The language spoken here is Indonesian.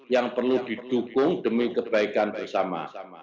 yang perlu didukung demi kebaikan bersama sama